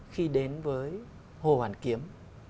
khi đến với hồ hoàn kiếm